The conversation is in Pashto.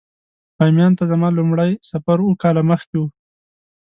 بامیان ته زما لومړی سفر اووه کاله مخکې و.